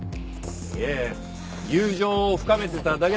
いや友情を深めてただけだ。